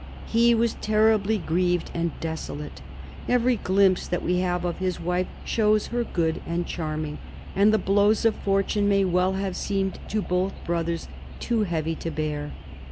He was terribly grieved and desolate. Every glimpse that we have of his wife shows her good and charming, and the blows of fortune may well have seemed to both brothers too heavy to bear.